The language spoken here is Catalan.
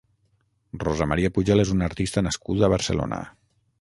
Rosa Maria Pujol és una artista nascuda a Barcelona.